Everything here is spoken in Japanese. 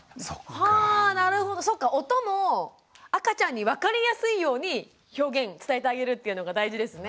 はぁなるほどそっか音も赤ちゃんに分かりやすいように表現伝えてあげるっていうのが大事ですね。